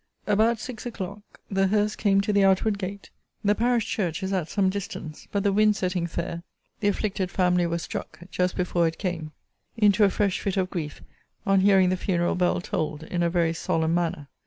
About six o'clock the hearse came to the outward gate the parish church is at some distance; but the wind setting fair, the afflicted family were struck, just before it came, into a fresh fit of grief, on hearing the funeral bell tolled in a very solemn manner.